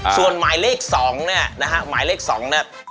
ส่วนหมายเลข๒เนี่ยนะฮะหมายเลข๒เนี่ย